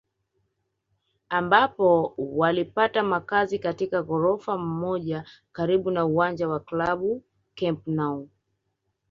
ambapo walipata makazi katika ghorofa moja karibu na uwanja wa klabu Camp Nou